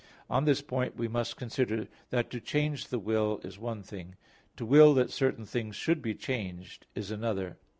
On this point we must consider that to change the will is one thing; to will that certain things should be changed is another.